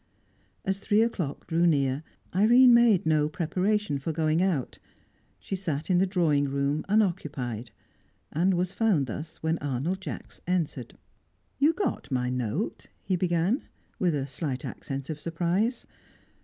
As three o'clock drew near, Irene made no preparation for going out. She sat in the drawing room, unoccupied, and was found thus when Arnold Jacks entered. "You got my note?" he began, with a slight accent of surprise.